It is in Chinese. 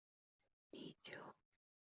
你就把他想成游乐场